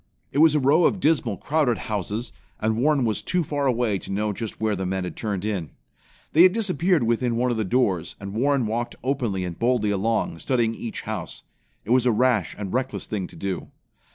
It was a row of dismal, crowded houses, and Warren was too far away to know just where the men had turned in. They had disappeared within one of the doors, and Warren walked openly and boldly along, studying each house. It was a rash and reckless thing to do.